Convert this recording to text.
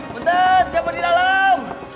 bentar siapa di dalam